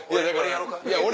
俺？